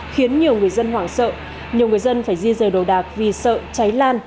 khiến nhiều người dân hoảng sợ nhiều người dân phải di rời đồ đạc vì sợ cháy lan